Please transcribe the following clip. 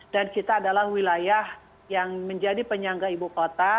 dan kita adalah wilayah yang menjadi penyangga ibu kota